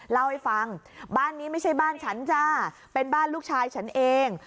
เล่าให้ฟังบ้านนี้ไม่ใช่บ้านฉันจ้าเป็นบ้านลูกชายฉันเอง